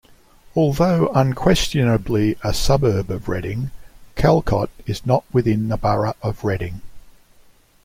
Although unquestionably a suburb of Reading, Calcot is not within the Borough of Reading.